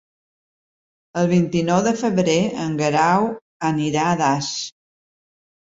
El vint-i-nou de febrer en Guerau anirà a Das.